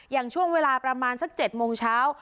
อย่างช่วงเวลาประมาณสัก๗โมงเช้า